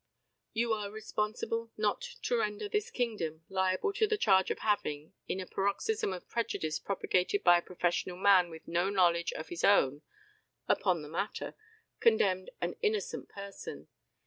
You are responsible not to render this kingdom liable to the charge of having, in a paroxysm of prejudice propagated by a professional man with no knowledge of his own upon the matter, condemned an innocent person.